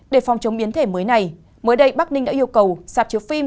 để phòng chống biến thể mới này mới đây bắc ninh đã yêu cầu sạp chiếu phim